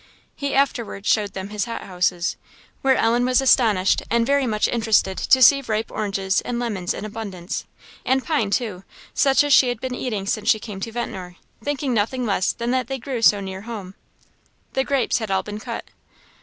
He afterwards showed them his hothouses, where Ellen was astonished and very much interested to see ripe oranges and lemons in abundance, and pines, too, such as she had been eating since she came to Ventnor, thinking nothing less than that they grew so near home. The grapes had all been cut.